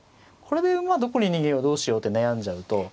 これで馬どこに逃げようどうしようって悩んじゃうと。